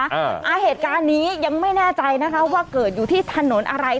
อ่าเหตุการณ์นี้ยังไม่แน่ใจนะคะว่าเกิดอยู่ที่ถนนอะไร